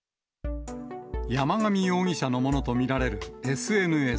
山上容疑者のものと見られるＳＮＳ。